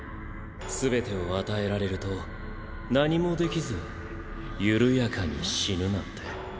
全てを与えられると何もできず緩やかに死ぬなんて。